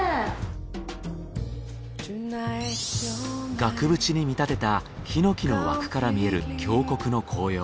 額縁に見立てた檜の枠から見える峡谷の紅葉。